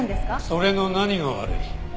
それの何が悪い？